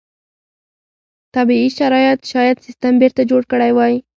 طبیعي شرایط شاید سیستم بېرته جوړ کړی وای.